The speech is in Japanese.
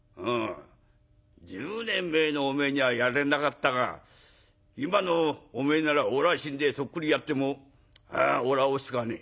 １０年前のおめえにはやれなかったが今のおめえならおらが身代そっくりやってもおら惜しかねえ。